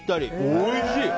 おいしい！